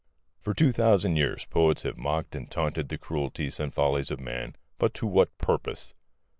For two thousand years poets have mocked and taunted the cruelties and follies of men, but to what purpose?